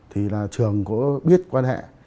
thì là trường có biết quan hệ